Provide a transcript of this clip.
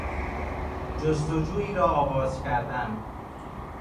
جستجویی را آغاز کردن